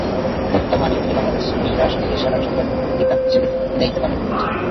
বর্তমানে তিনি বাংলাদেশ মহিলা সমিতির সাধারণ সম্পাদিকা হিসেবে দায়িত্ব পালন করছেন।